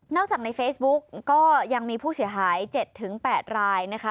จากในเฟซบุ๊กก็ยังมีผู้เสียหาย๗๘รายนะคะ